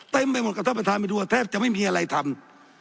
ไปหมดกับท่านประธานไปดูว่าแทบจะไม่มีอะไรทำ